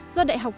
do đại học